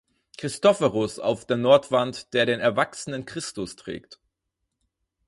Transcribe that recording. Christophorus auf der Nordwand, der den erwachsenen Christus trägt.